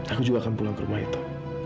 aku juga akan pulang ke rumah itu